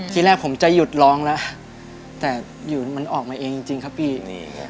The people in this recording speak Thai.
ทีแรกผมจะหยุดร้องแล้วแต่อยู่มันออกมาเองจริงครับพี่